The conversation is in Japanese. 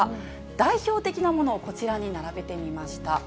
代表的なものをこちらに並べてみました。